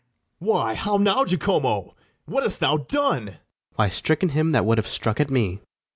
Why, how now, Jacomo! what hast thou done? FRIAR JACOMO. Why, stricken him that would have struck at me.